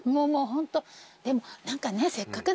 もうホントでも何かね。